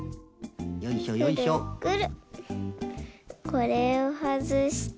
これをはずして。